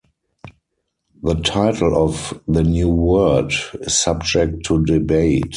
The title of "The New Word" is subject to debate.